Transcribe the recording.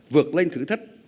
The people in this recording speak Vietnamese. vượt lên thử thách